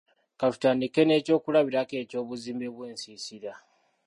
Ka tutandike n'ekyokulabirako eky'obuzimbe bw'ensiisira